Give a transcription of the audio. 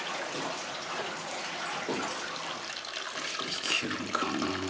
行けるかな？